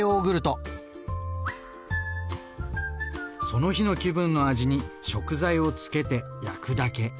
その日の気分の味に食材を漬けて焼くだけ。